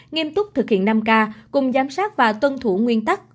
nghiêm túc thực hiện năm k cùng giám sát và tuân thủ nguyên tắc